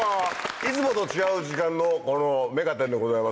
いつもと違う時間の『目がテン！』でございますけども。